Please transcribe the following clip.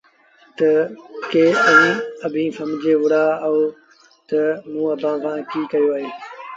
ڪيٚ اڀيٚنٚ سمجھي وهُڙآ اهو تا موٚنٚ اڀآنٚ سآݩٚ ڪيٚ ڪيو اهي؟